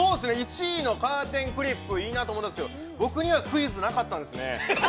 ◆１位のカーテンクリップ、いいなと思うんですけど、僕にはクイズがなかったんですね。